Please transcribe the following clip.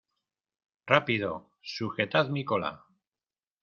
¡ Rápido! ¡ sujetad mi cola !